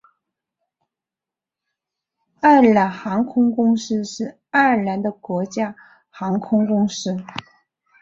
爱尔兰航空公司是爱尔兰的国家航空公司。